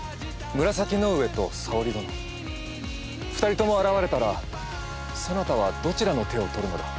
紫の上と沙織殿２人とも現れたらそなたはどちらの手を取るのだ。